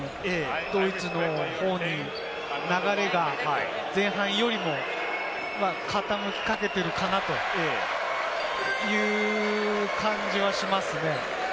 ドイツの方に流れが、前半よりも傾きかけているかなという感じはしますね。